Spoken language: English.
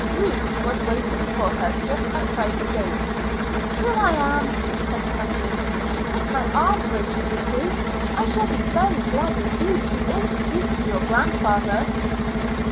Ruth was waiting for her just outside the gates. "Here I am," said Kathleen. "Take my arm, won't you, Ruthie? I shall be very glad indeed to be introduced to your grandfather."